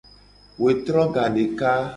Wetro gadeka.